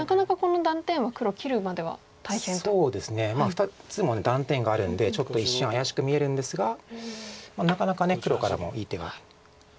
２つも断点があるんでちょっと一瞬怪しく見えるんですがなかなか黒からもいい手が。